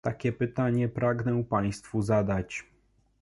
Takie pytanie pragnę państwu zadać